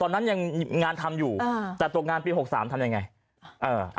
ตอนนั้นยังงานทำอยู่อ่าแต่ตกงานปีหกสามทำยังไงเอ่อ